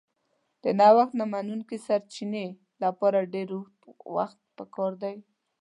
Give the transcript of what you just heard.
د نوښت نه منونکي سرچینې لپاره ډېر اوږد وخت پکار دی.